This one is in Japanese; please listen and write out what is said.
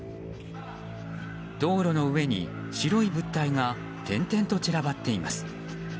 道路の上に白い物体が点々と散らばっています。